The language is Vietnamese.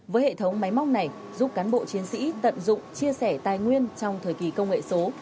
với hệ thống máy móc này giúp cán bộ chiến sĩ tận dụng chia sẻ tài nguyên trong thời kỳ công nghệ số